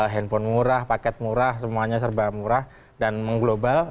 handphone murah paket murah semuanya serba murah dan mengglobal